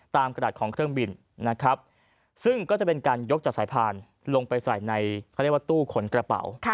กระดาษของเครื่องบินนะครับซึ่งก็จะเป็นการยกจากสายพานลงไปใส่ในเขาเรียกว่าตู้ขนกระเป๋า